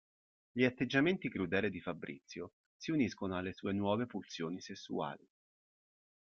Gli atteggiamenti crudeli di Fabrizio si uniscono alle sue nuove pulsioni sessuali.